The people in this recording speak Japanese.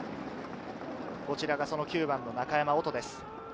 こちらが９番の中山織斗です。